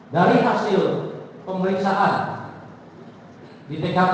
dari hasil pemeriksaan di tkp